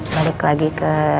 balik lagi ke